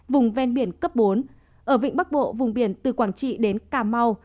vùng ven biển cấp bốn ở vịnh bắc bộ vùng biển từ quảng trị đến cà mau